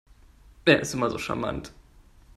Er ist immer so charmant.